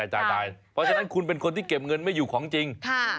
เพราะฉะนั้นคุณเป็นคนที่เก็บเงินไม่อยู่ของจริง